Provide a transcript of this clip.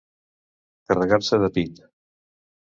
Carregar-se de pit.